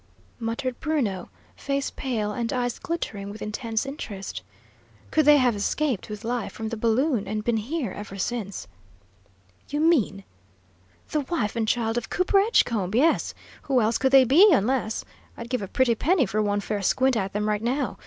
muttered Bruno, face pale and eyes glittering with intense interest. "Could they have escaped with life from the balloon, and been here ever since?" "You mean " "The wife and child of Cooper Edgecombe, yes! Who else could they be, unless I'd give a pretty penny for one fair squint at them, right now!